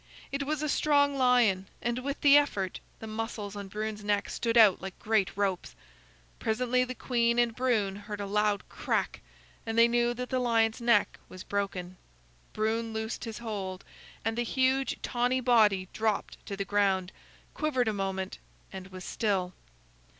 It was a strong lion, and with the effort the muscles on Brune's neck stood out like great ropes. Presently, the queen and Brune heard a loud crack and they knew that the lion's neck was broken. Brune loosed his hold, and the huge tawny body dropped to the ground, quivered a moment, and was still.